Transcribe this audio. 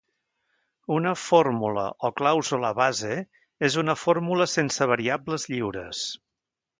Una fórmula o clàusula base és una fórmula sense variables lliures.